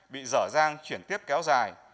bị dở dang chuyển tiếp kéo dài